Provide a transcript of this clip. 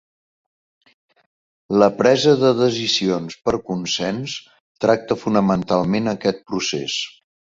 La presa de decisions per consens tracta fonamentalment aquest procés.